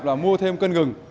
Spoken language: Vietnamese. là mua thêm cân rừng